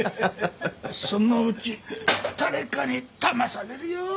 そのうち誰かにだまされるよ。